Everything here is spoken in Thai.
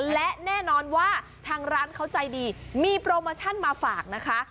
และแน่นอนว่าทางร้านเขาใจดีมีโปรโมชั่นมาฝากนะคะ